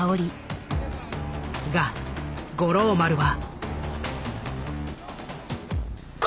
が五郎丸は。